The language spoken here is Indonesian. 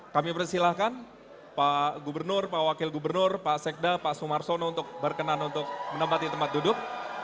kami persilahkan pak gubernur pak wakil gubernur pak sekda pak sumarsono untuk berkenan untuk menempati tempat duduk